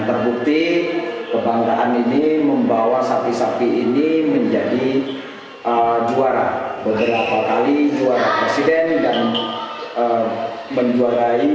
dan terbukti kebanggaan ini membawa sapi sapi ini menjadi juara beberapa kali juara presiden dan menjuarai beberapa kali juara pemerintah